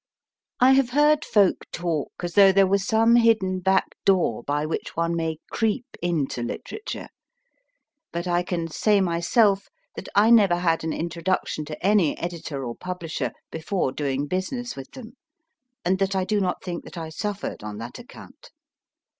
I have heard folk talk as though there were some hidden back door by which one may creep into literature, but I can say myself that I never had an introduction to any editor or publisher before doing business with them, and that I do not think that I suffered on that account.